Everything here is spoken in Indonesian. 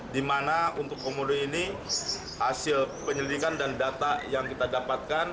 di mana untuk komodo ini hasil penyelidikan dan data yang kita dapatkan